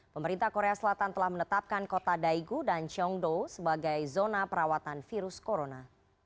pemerintah korea selatan telah menetapkan kota daegu dan cheongdo sebagai zona perawatan virus corona